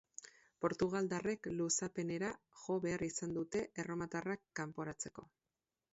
Portugaldarrek luzapenera jo behar izan dute erromatarrak kanporatzeko.